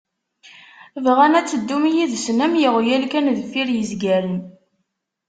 Bɣan ad teddum yid-sen am yeɣyal kan deffir izgaren.